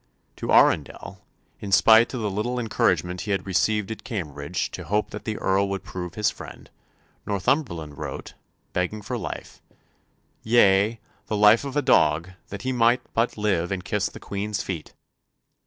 To Arundel, in spite of the little encouragement he had received at Cambridge to hope that the Earl would prove his friend, Northumberland wrote, begging for life, "yea, the life of a dog, that he may but live and kiss the Queen's feet."